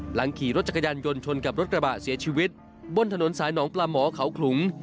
หลังขี่รถจักรยานยนต์ชนกับรถกระบะเสียชีวิตบนถนนสายหนองปลาหมอเขาขลุง